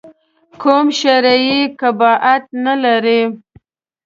کوم شرعي قباحت نه لري.